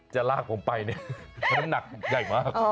จะลากผมไปเนี่ยน้ำหนักใหญ่มาก